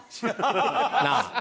なあ？